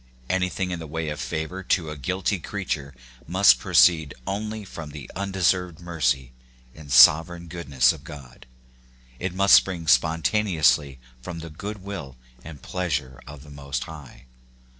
Anything in the way of favor to a guilty creature must proceed only from the undeserved mercy and sovereign goodness of God ; it must spring spontaneously from the goodwill and pleas ure of the Most High.